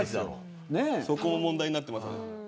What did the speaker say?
そこも、問題になってますね。